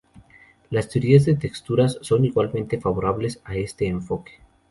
Las teorías de texturas son igualmente favorables a este enfoque.